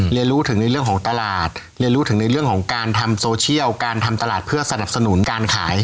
เรียนรู้ถึงในเรื่องของตลาดเรียนรู้ถึงในเรื่องของการทำโซเชียลการทำตลาดเพื่อสนับสนุนการขาย